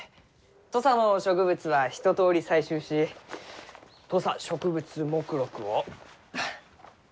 土佐の植物は一とおり採集し土佐植物目録を作り上げました。